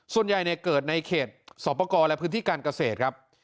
ส่วนใหญ่เกิดในเขตสอบประกอบและพื้นที่การเกษตรครับ